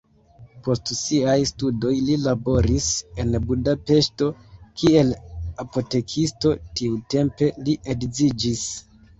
Post siaj studoj li laboris en Budapeŝto kiel apotekisto, tiutempe li edziĝis.